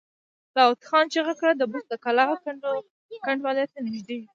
داوود خان چيغه کړه! د بست د کلا کنډوالو ته نږدې يو!